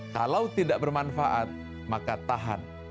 kalau tidak bermanfaat maka tahan